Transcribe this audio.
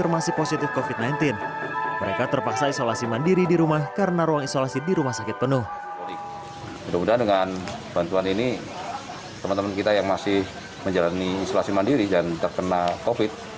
mudah mudahan dengan bantuan ini teman teman kita yang masih menjalani isolasi mandiri dan terkena covid